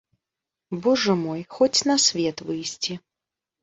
Божа мой, хоць на свет выйсці.